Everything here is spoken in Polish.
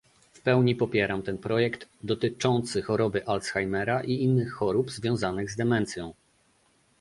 W pełni popieram ten projekt dotyczący choroby Alzheimera i innych chorób związanych z demencją